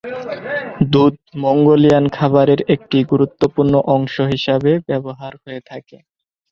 দুধ মঙ্গোলিয়ান খাবারের একটি গুরুত্বপূর্ণ অংশ হিসেবে ব্যবহার হয়ে থাকে।